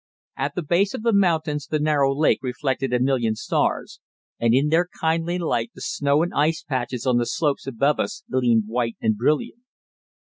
At the base of the mountains the narrow lake reflected a million stars, and in their kindly light the snow and ice patches on the slopes above us gleamed white and brilliant.